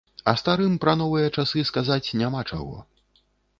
А старым пра новыя часы сказаць няма чаго.